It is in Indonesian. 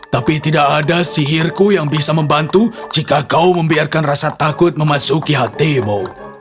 tapi tidak ada sihirku yang bisa membantu jika kau membiarkan rasa takut memasuki hatimu